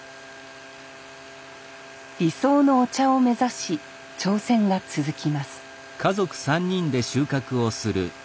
理想のお茶を目指し挑戦が続きます